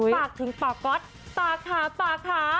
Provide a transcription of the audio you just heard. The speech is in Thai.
ปากถึงปากก๊อตปากค่ะปากค่ะ